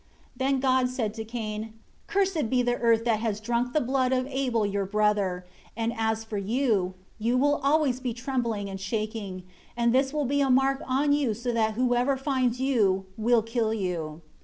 18 Then God said to Cain, "Cursed be the earth that has drunk the blood of Abel your brother; and as for you, you will always be trembling and shaking; and this will be a mark on you so that whoever finds you, will kill you."